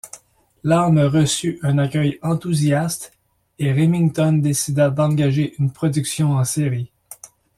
L'arme reçut un accueil enthousiaste et Remington décida d'engager une production en série.